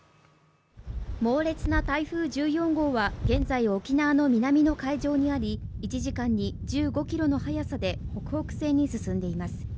猛烈な台風１４号は現在、沖縄の南の海上にあり１時間に１５キロの速さで北北西に進んでいます。